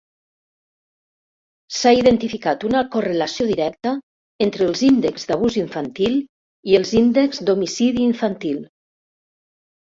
S'ha identificat una correlació directa entre els índexs d'abús infantil i els índexs d'homicidi infantil.